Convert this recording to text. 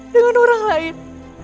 dengan orang lain